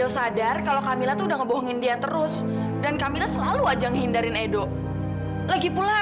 saya kan udah bilang kamu jangan pernah datang kesini lagi